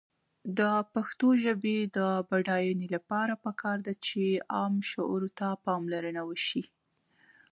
د پښتو ژبې د بډاینې لپاره پکار ده چې عام شعور ته پاملرنه وشي.